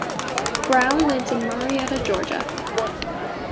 Brown lives in Marietta, Georgia.